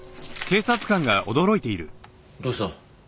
どうした？